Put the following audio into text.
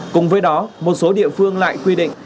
cùng với đó một số địa phương lại quy định